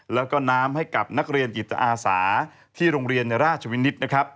แล้วก็น้ำให้กับนักเรียนจิตอาสาที่โรงเรียนราชวินิตนะครับ